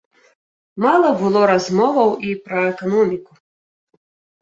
Мала было размоваў і пра эканоміку.